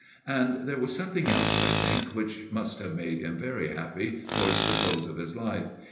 And there was something else, I think, which must have made him very happy towards the close of his life.